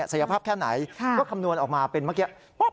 ภาพแค่ไหนก็คำนวณออกมาเป็นเมื่อกี้